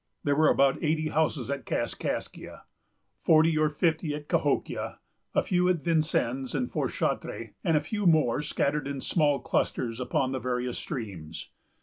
There were about eighty houses at Kaskaskia, forty or fifty at Cahokia, a few at Vincennes and Fort Chartres, and a few more scattered in small clusters upon the various streams.